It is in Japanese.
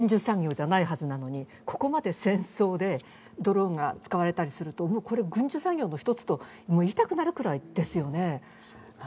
ドローン作っている会社って軍需産業じゃないはずなのに、ここまで戦争でドローンが使われたりすると、これ、軍需産業の１つと言いたくなるようなことですよね。